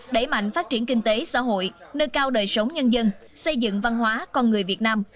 đẩy mạnh phát triển kinh tế xã hội nâng cao đời sống nhân dân xây dựng văn hóa con người việt nam